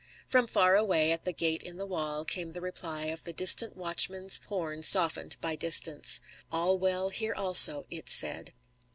From far away, at the gate in the wall, came the reply of the distant watchman's horn softened by distance. "All well here also," it said.